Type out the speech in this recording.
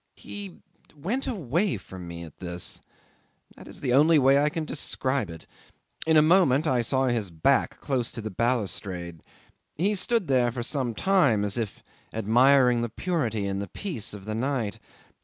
'He went away from me at this. That is the only way I can describe it. In a moment I saw his back close to the balustrade. He stood there for some time, as if admiring the purity and the peace of the night.